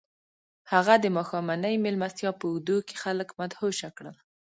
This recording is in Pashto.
هغه د ماښامنۍ مېلمستیا په اوږدو کې خلک مدهوشه کړل